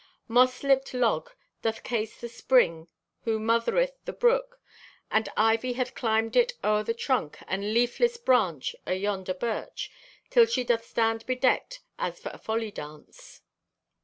Moss lipped log doth case the spring who mothereth the brook, and ivy hath climbed it o'er the trunk and leafless branch o' yonder birch, till she doth stand bedecked as for a folly dance.